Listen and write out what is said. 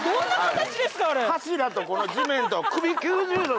柱とこの地面と首９０度でしたからね。